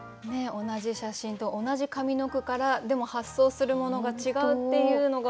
同じ写真と同じ上の句からでも発想するものが違うっていうのが面白いですよね。